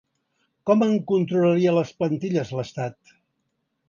Com en controlaria les plantilles l’estat?